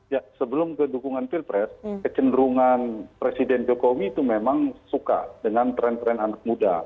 ya sebelum ke dukungan pilpres kecenderungan presiden jokowi itu memang suka dengan tren tren anak muda